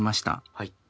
はい。